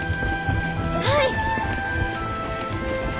はい！